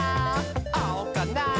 あおかな？